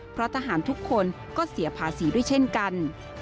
เพราะทหารทุกคนก็เสียภาษีด้วยเช่นกัน